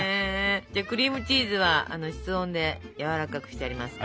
クリームチーズは室温でやわらかくしてありますから。